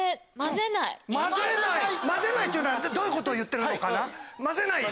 まぜないというのはどういうことを言ってるのかな？